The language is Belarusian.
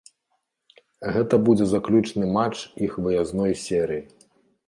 Гэта будзе заключны матч іх выязной серыі.